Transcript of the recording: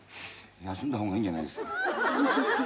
休んだ方がいいんじゃないですか。